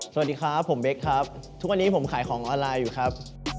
สวัสดีครับผมเบคครับทุกวันนี้ผมขายของออนไลน์อยู่ครับ